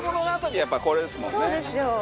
そうですよ！